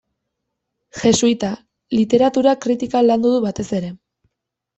Jesuita; literatura-kritika landu du batez ere.